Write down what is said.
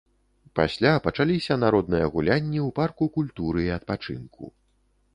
Пасля пачаліся народныя гулянні ў парку культуры і адпачынку.